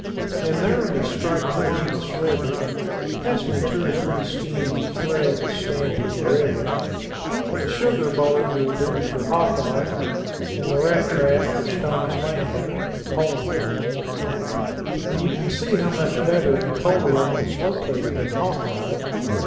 "And there we strike Columbus River pass me two or three skeins of thread to stand for the river; the sugar bowl will do for Hawkeye, and the rat trap for Stone's Landing Napoleon, I mean and you can see how much better Napoleon is located than Hawkeye.